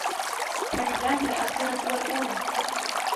فلله الآخرة والأولى